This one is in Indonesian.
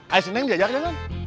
aisineng diajak jangan